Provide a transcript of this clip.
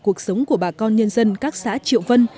cuộc sống của bà con nhân dân các xã triệu vân